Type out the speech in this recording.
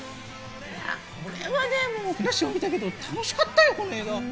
これはね、もう、ふなっしーも見たけど楽しかったよ、この映画！